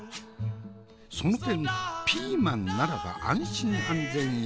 その点ピーマンならば安心安全安上がり。